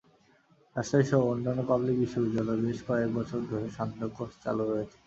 রাজশাহীসহ অন্যান্য পাবলিক বিশ্ববিদ্যালয়ে বেশ কয়েক বছর ধরে সান্ধ্য কোর্স চালু রয়েছে।